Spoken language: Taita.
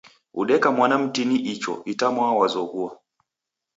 Odeka mwana mtini ichoo itwamwaa w'azoghoua